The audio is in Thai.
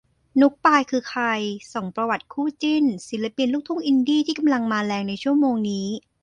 นุ๊กปาย คือใคร ส่องประวัติคู่จิ้น ศิลปินลูกทุ่งอินดี้ที่กำลังมาแรงในชั่วโมงนี้